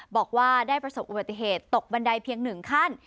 บอกว่าได้ประสบอุบัติเหตุตกบันไดเพียง๑ขั้น